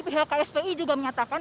pihak kspi juga menyatakan